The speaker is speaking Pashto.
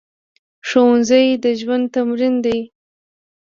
ښوونځی د ژوند تمرین دی